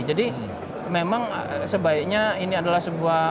jadi memang sebaiknya ini adalah sebuah